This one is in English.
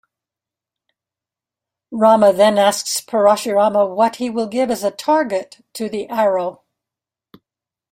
Rama then asks Parashurama what he will give as a target to the arrow.